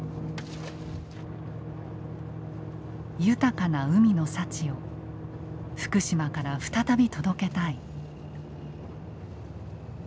豊かな海の幸を福島から再び届けたい。